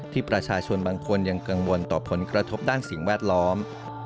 ประชาชนบางคนยังกังวลต่อผลกระทบด้านสิ่งแวดล้อม